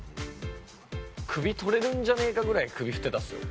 首取れるんじゃねえかぐらい首振ってたっすよ。